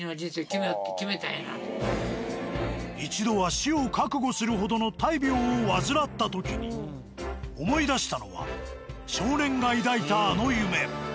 一度は死を覚悟するほどの大病を患った時に思い出したのは少年が抱いたあの夢。